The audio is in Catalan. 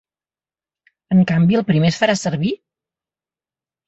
En canvi, el primer es farà servir?